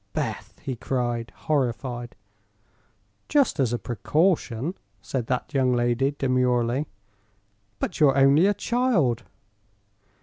"Beth!" he cried, horrified. "Just as a precaution," said that young lady, demurely. "But you're only a child!"